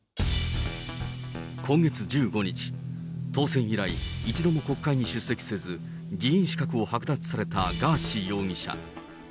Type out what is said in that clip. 今月１５日、当選以来、一度も国会に出席せず、議員資格を剥奪されたガーシー容疑者。